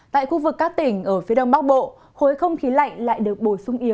tại khu vực các tỉnh ở phía đông bắc bộ khối không khí lạnh lại được bồi xuống